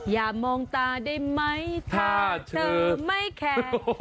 อย่ามองตาได้ไหมถ้าเธอไม่แข่ง